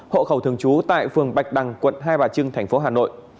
hộ khẩu thường trú tại phường bạch đằng quận hai bà trưng thành phố hà nội